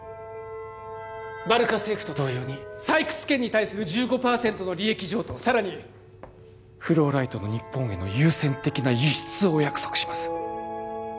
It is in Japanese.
バルカ政府と同様に採掘権に対する１５％の利益譲渡さらにフローライトの日本への優先的な輸出をお約束します